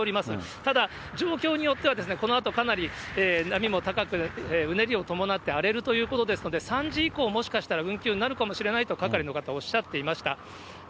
ただ、状況によってはこのあとかなり波も高く、うねりを伴って荒れるということですので、３時以降、もしかしたら、運休になるかもしれないと、係の方、おっしゃっていました。